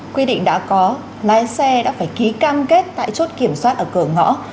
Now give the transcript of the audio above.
quy định đã có lái xe đã phải ký cam kết tại chốt kiểm soát ở cửa ngõ